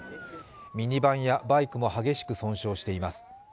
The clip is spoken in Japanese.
ミニバンやバイクも激しく損傷しています。